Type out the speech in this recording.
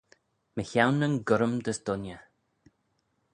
Mychione nyn gurrym dys dooinney.